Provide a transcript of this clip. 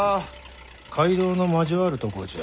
街道の交わるとこじゃ。